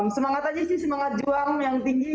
semangat aja sih semangat juang yang tinggi